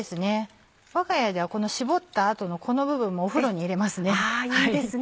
わが家ではこの搾った後のこの部分もお風呂に入れますね。